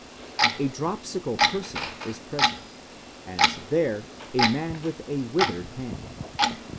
A dropsical person is present; as, there, a man with a withered hand.